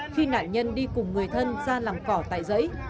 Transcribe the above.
khi nạn nhân đi cùng người thân ra làm cỏ tại dãy